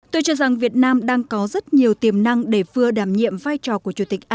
tôi cho rằng việt nam đang có rất nhiều tiềm năng để vừa đảm nhiệm vai trò của chủ tịch asean